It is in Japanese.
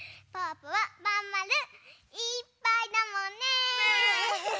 ぽはまんまるいっぱいだもんね！ね！